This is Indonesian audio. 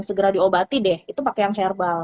segera diobati deh itu pakai yang herbal